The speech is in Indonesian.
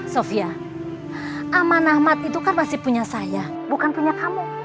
sofia amanahmat itu kan masih punya saya bukan punya kamu